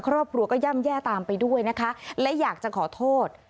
ครอบครัวก็ย่ำแย่ตามไปด้วยนะคะและอยากจะขอโทษ